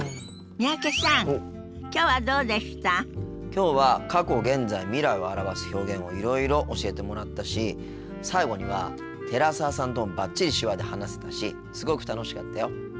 きょうは過去現在未来を表す表現をいろいろ教えてもらったし最後には寺澤さんともバッチリ手話で話せたしすごく楽しかったよ。